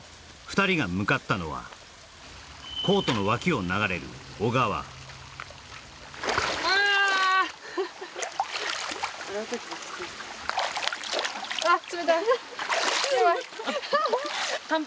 ２人が向かったのはコートの脇を流れる小川ああっ！